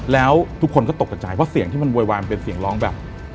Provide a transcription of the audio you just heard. แล้วทุกคนก็ตกกระจายเพราะเสียงที่มันโวยวายมันเป็นเสียงร้องแบบ